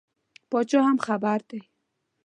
پاچا هم خبر دی.